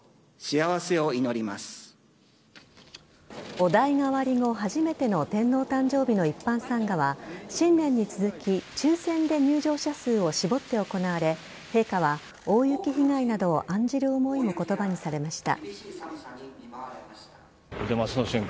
お代替わり後初めての天皇誕生日の一般参賀は新年に続き抽選で入場者数を絞って行われ陛下は大雪被害などを案じる思いを言葉にされました。